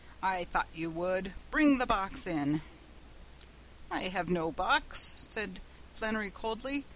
I thought you would! Bring the box in." "I hev no box," said Flannery coldly.